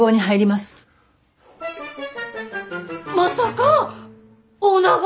まさかー！